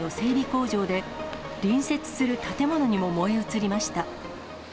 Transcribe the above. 工場で、隣接する建物にも燃え移りました。